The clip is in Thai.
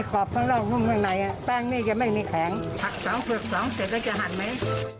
คุยช่ายไนฮีรสเข็ดเล็กเป็นยังไง